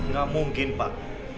gak mungkin pak